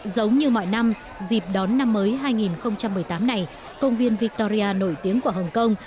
giống như mọi năm dịp đón năm mới hai nghìn một mươi tám này công viên victoria nổi tiếng của hồng kông